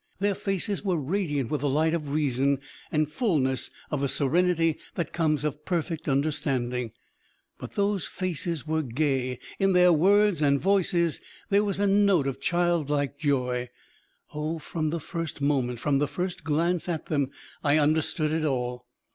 Their faces were radiant with the light of reason and fullness of a serenity that comes of perfect understanding, but those faces were gay; in their words and voices there was a note of childlike joy. Oh, from the first moment, from the first glance at them, I understood it all!